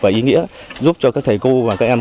và ý nghĩa giúp cho các thầy cô và các em